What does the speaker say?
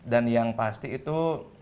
dan yang pasti itu